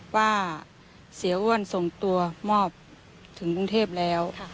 ว่าเสียอ้วนส่งตัวมอบถึงกรุงเทพแล้ว